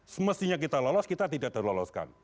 semestinya kita lolos kita tidak terloloskan